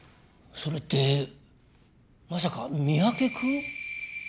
それってまさか三宅くん？